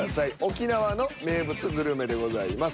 「沖縄の名物グルメ」でございます。